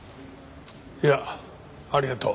いやありがとう。